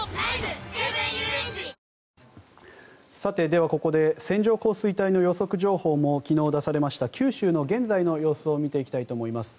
ではここで線状降水帯の予測情報も昨日出されました九州の現在の様子を見ていきたいと思います。